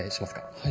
はい。